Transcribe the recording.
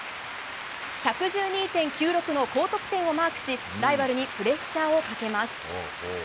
１１２．９６の高得点をマークしライバルにプレッシャーをかけます。